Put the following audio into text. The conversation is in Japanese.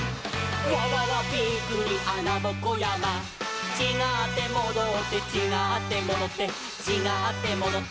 「わわわびっくりあなぼこやま」「ちがってもどって」「ちがってもどってちがってもどって」